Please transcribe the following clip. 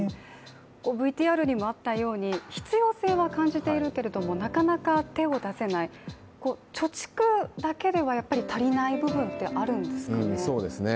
ＶＴＲにもあったように必要性は感じているけれどもなかなか手を出せない、貯蓄だけでは足りない部分ってあるんですかね？